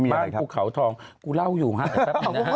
บ้านกรุงเขาทองกูเล่าอยู่นะครับ